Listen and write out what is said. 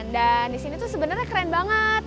dan di sini tuh sebenernya keren banget